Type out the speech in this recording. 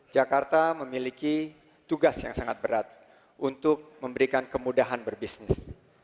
jakarta memiliki tugas yang sangat berat untuk memberikan kemudahan berbisnis